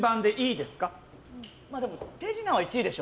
でも、手品は１位でしょ。